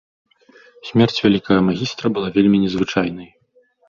Смерць вялікага магістра была вельмі незвычайнай.